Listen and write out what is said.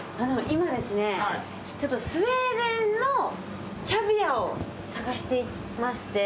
今ですねスウェーデンのキャビアを探していまして。